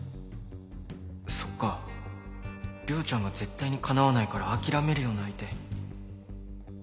そっか涼ちゃんが絶対にかなわないから諦めるような相手